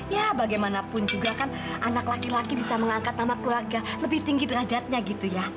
ya bagaimanapun juga kan anak laki laki bisa mengangkat nama keluarga lebih tinggi derajatnya gitu ya